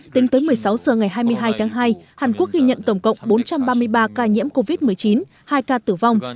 tính tới một mươi sáu h ngày hai mươi hai tháng hai hàn quốc ghi nhận tổng cộng bốn trăm ba mươi ba ca nhiễm covid một mươi chín hai ca tử vong